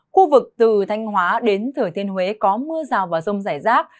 khu vực từ thanh hóa đến thừa thiên huế có mưa rào và rông rải rác